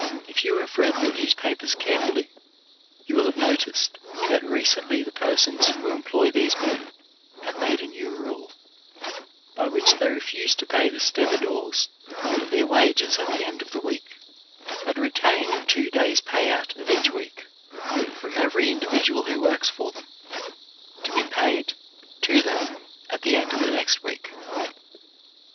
If you have read the newspapers carefully you will have noticed that recently the persons who employ these men have made a new rule, by which they refuse to pay the stevedores all of their wages at the end of the week, but retain two days' pay out of each week, from every individual who works for them, to be paid to them at the end of the next week.